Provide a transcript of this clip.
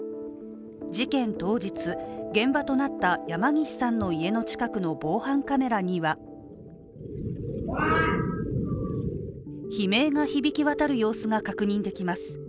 事件当日、現場となった山岸さんの家の近くの防犯カメラには悲鳴が響き渡る様子が確認できます。